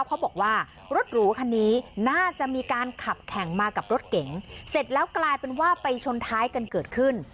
เขาบอกว่ารถหรูคันนี้น่าจะมีการขับแข่งมากับรถเก๋งเสร็จแล้วกลายเป็นว่าไปชนท้ายกันเกิดขึ้น